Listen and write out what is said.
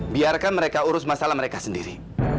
biarkan mereka urus masalah mereka sendiri